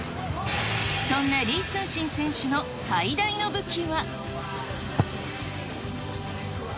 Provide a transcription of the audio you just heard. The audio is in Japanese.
そんな李承信選手の最大の武器は。